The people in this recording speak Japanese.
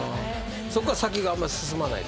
そっから先があんま進まない？